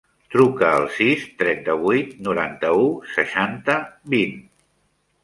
Truca al sis, trenta-vuit, noranta-u, seixanta, vint.